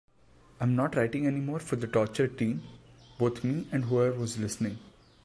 I'm not writing anymore for the tortured teen-both me and whoever was listening.